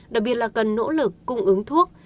đặc biệt là cần nỗ lực cung ứng thuốc